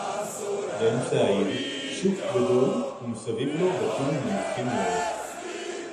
בְּאֶמְצַע הָעִיר - שׁוּק גָּדוֹל וּמִסָּבִיב לוֹ בָּתִּים נְמוּכִים מְאוֹד.